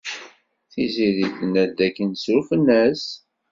Tiziri tenna-d dakken ssurfen-as.